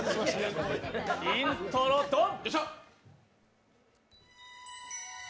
イントロ・ドン。